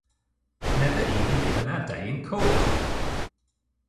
Never even given our day in Court!